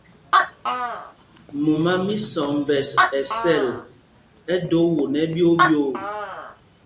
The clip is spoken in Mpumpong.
Mumá mí Sɔmbɛs ɛ sɛl, ɛ do won ɛɓyoo ɓyoo.